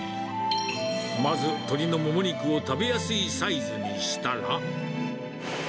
まず鶏のもも肉を食べやすいサイズにしたら。